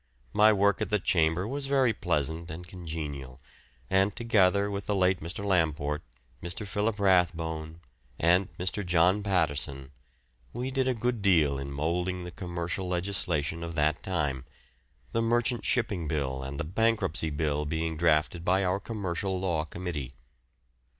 My work at the chamber was very pleasant and congenial, and together with the late Mr. Lamport, Mr. Philip Rathbone, and Mr. John Patterson, we did a good deal in moulding the commercial legislation of that time, the Merchant Shipping Bill and the Bankruptcy Bill being drafted by our Commercial Law Committee.